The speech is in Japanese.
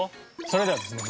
それではですね